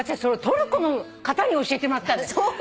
トルコの方に教えてもらったんだよ。